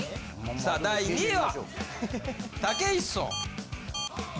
さあ第１位は！